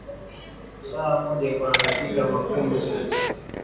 Saha moja iko na dakika makumi sita